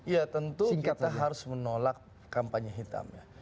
ya tentu kita harus menolak kampanye hitam ya